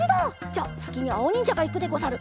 じゃあさきにあおにんじゃがいくでござる。